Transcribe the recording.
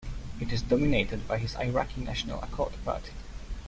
It is dominated by his Iraqi National Accord party.